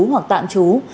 hoặc tạm trú